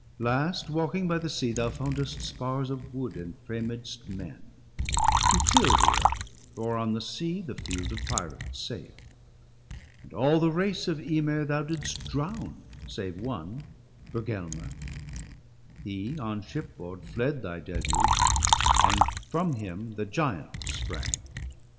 Last, walking by the sea, thou foundest spars Of wood, and framed'st men, who till the earth, Or on the sea, the field of pirates, sail. And all the race of Ymir thou didst drown, Save one, Bergelmer; — he on shipboard fled Thy deluge, and from him the giants sprang.